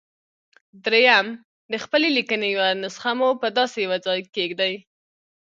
درېيم د خپلې ليکنې يوه نسخه مو په داسې يوه ځای کېږدئ.